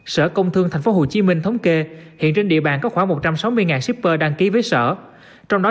sở công thương tp hcm thống kê hiện trên địa bàn có khoảng một trăm sáu mươi shipper đăng ký với sở trong đó